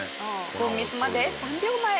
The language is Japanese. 凡ミスまで３秒前。